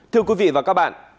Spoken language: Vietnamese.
thưa quý vị và các bạn